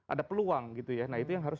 ada peluang gitu ya nah itu yang harus